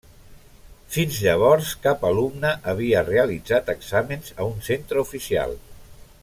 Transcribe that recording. Fins llavors cap alumne havia realitzat exàmens a un centre oficial.